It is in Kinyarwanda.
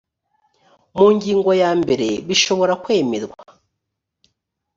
mu ngingo ya mbere bishobora kwemerwa